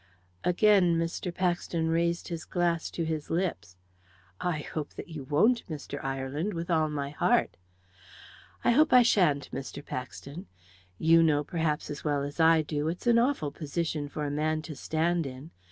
Again Mr. Paxton raised his glass to his lips. "I hope that you won't, Mr. Ireland, with all my heart." "I hope I sha'n't, Mr. Paxton. You know, perhaps as well as I do, it's an awful position for a man to stand in.